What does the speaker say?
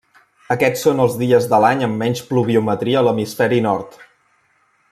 Aquests són els dies de l'any amb menys pluviometria a l'hemisferi nord.